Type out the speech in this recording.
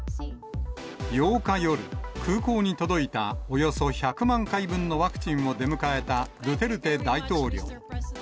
８日夜、空港に届いたおよそ１００万回分のワクチンを出迎えたドゥテルテ大統領。